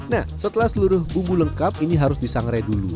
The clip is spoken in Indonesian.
nah setelah seluruh bumbu lengkap ini harus disangrai dulu